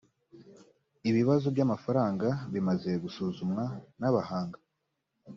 ibibazo by’amafaranga bimaze gusuzumwa n’abahanga